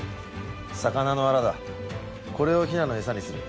魚のアラだこれをヒナのエサにする。